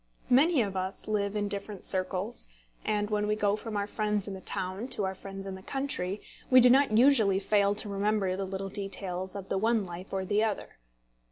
Many of us live in different circles; and when we go from our friends in the town to our friends in the country, we do not usually fail to remember the little details of the one life or the other.